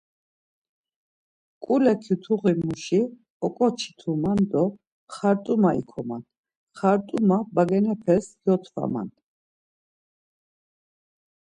Mǩule kyutuğimuşi oǩoçituman do xart̆uma ikoman, xart̆uma bagenepes eyotfaman.